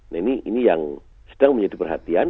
nah ini yang sedang menjadi perhatian